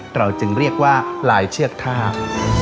เราจึงเรียกว่าลายเชือกทาก